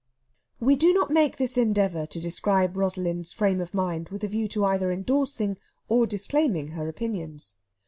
We do not make this endeavour to describe Rosalind's frame of mind with a view to either endorsing or disclaiming her opinions.